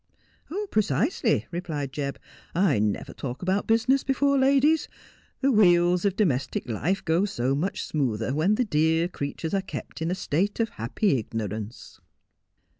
'Precisely/ replied Jebb. 'I never talk about business before ladies. The wheels of domestic life go so much smoother when the dear creatures are kept in a state of happy ignorance.'